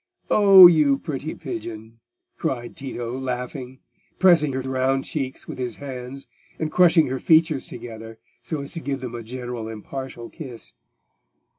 "Oh, you pretty pigeon!" cried Tito, laughing, pressing her round cheeks with his hands and crushing her features together so as to give them a general impartial kiss.